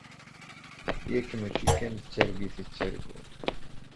Yak mačči kan d targit i ttarguɣ.